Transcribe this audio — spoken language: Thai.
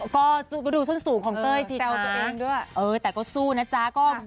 ก็ดูสุดสูงของเต้ยสิคะเออแต่ก็สู้นะจ๊ะก็